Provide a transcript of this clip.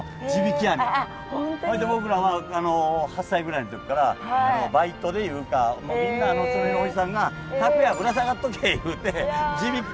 ほいで僕らは８歳ぐらいの時からバイトでいうかみんなその辺のおじさんが拓也ぶら下がっとけ言うて地引き